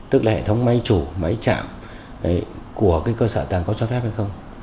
tức là hệ thống máy chủ máy chạm của cái cơ sở tầng có cho phép hay không